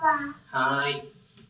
はい。